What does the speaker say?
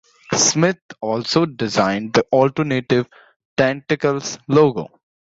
Smith also designed the Alternative Tentacles logo.